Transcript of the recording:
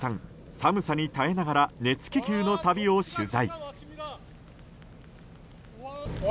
寒さに耐えながら熱気球の旅を取材。